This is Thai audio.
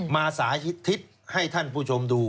สาธิตให้ท่านผู้ชมดู